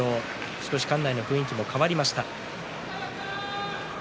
少し館内の雰囲気も変わりました。